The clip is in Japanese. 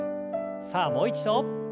さあもう一度。